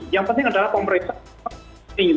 yang penting adalah kompresen